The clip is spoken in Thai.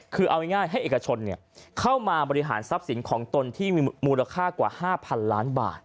คือเอาง่ายให้เอกชนเข้ามาบริหารทรัพย์สินของตนที่มีมูลค่ากว่า๕๐๐๐ล้านบาท